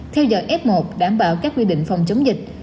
theo dõi f một đảm bảo các quy định phòng chống dịch